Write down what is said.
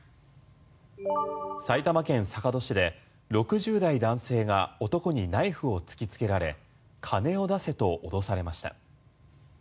埼玉県坂戸市で６０代男性が男にナイフを突きつけられ金を出せと脅されました。